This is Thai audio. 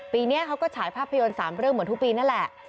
ปีนี้เขาก็ฉายภาพยนตร์๓เรื่องเหมือนทุกปีนั่นแหละ